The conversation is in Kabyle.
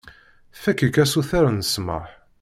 Fakk-ik asuter n ssmaḥ.